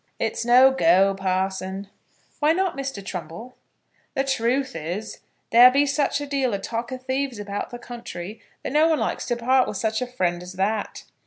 "It's no go, parson." "Why not, Mr. Trumbull?" "The truth is, there be such a deal of talk o' thieves about the country, that no one likes to part with such a friend as that.